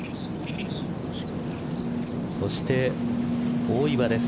そして大岩です。